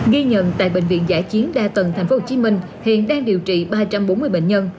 ghi nhận tại bệnh viện giả chiến đa tầng tp hcm hiện đang điều trị ba trăm bốn mươi bệnh nhân